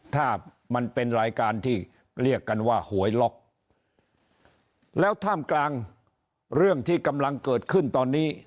ถ้ามันเป็นรายการที่เรียกกันว่าหวยล็อกแล้วท่ามกลางเรื่องที่กำลังเกิดขึ้นตอนนี้